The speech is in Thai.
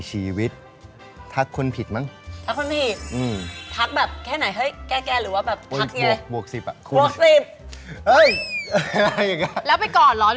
แล้วไปกอดหรอหรือไง